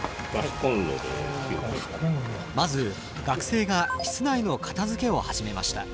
まず学生が室内の片づけを始めました。